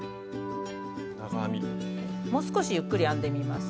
もう少しゆっくり編んでみます。